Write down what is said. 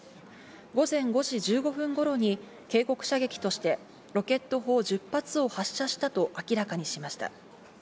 午前５時１５分頃に警告射撃としてロケット砲１０発を発射したと明らかにしました。